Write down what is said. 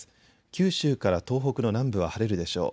九州から東北の南部は晴れるでしょう。